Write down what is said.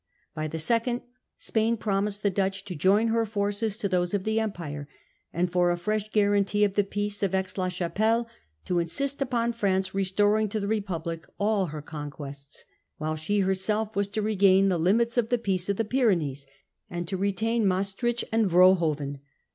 By the second, Spain andTthe* promised the Dutch to join her forces to those three of the Empire, and, for a fresh guarantee of AuguTt 30, the Peace of Aix la Chapelle, to insist upon x6y3 ' France restoring to the Republic all her con quests ; while she herself was to regain the limits of the Peace of the Pyrenees and to retain Maestricht and Vroonhoven.